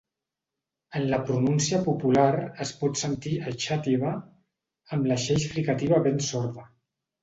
En la pronúncia popular es pot sentir ‘Eixàtiva’, amb la xeix fricativa ben sorda.